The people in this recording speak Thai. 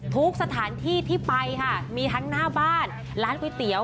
ทุกสถานที่ที่ไปค่ะมีทั้งหน้าบ้านร้านก๋วยเตี๋ยว